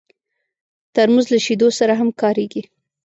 ترموز له شیدو سره هم کارېږي.